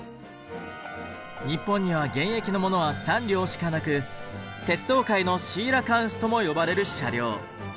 日本には現役のものは３両しかなく「鉄道界のシーラカンス」とも呼ばれる車両。